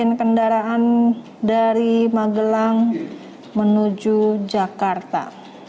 ini adegan rekonstruksi menaikin kendaraan dari magelang menuju jakarta